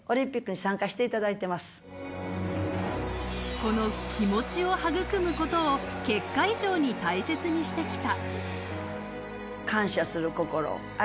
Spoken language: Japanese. この気持ちを育むことを結果以上に大切にしてきた。